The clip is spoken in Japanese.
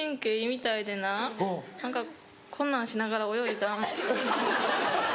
何かこんなんしながら泳いでたら。